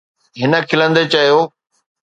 هن کلندي چيو.